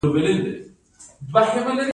شهیدانو وینه ورکړې.